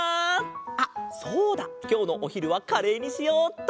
あっそうだきょうのおひるはカレーにしようっと。